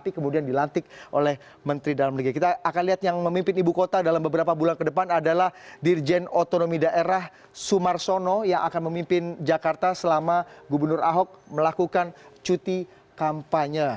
akan memimpin ibu kota dalam beberapa bulan ke depan adalah dirjen otonomi daerah sumarsono yang akan memimpin jakarta selama gubernur ahok melakukan cuti kampanye